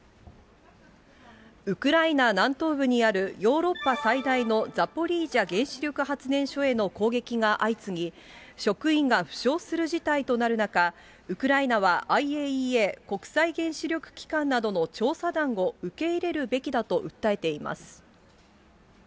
ウクライナ南東部にあるヨーロッパ最大のザポリージャ原子力発電所への攻撃が相次ぎ、職員が負傷する事態となる中、ウクライナはＩＡＥＡ・国際原子力機関などの調査団を受け入れるべきだと訴えています。